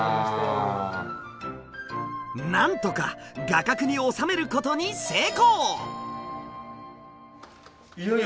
なんとか画角に収めることに成功！